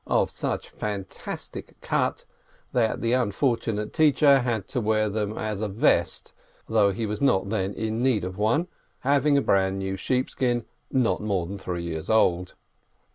of such fantastic cut that the unfortunate teacher had to wear them as a vest, though he was not then in need of one, having a brand new sheepskin not more than three years old.